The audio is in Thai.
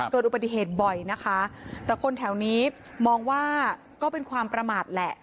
เกิดอุบัติเหตุบ่อยนะคะแต่คนแถวนี้มองว่าก็เป็นความประมาทแหละ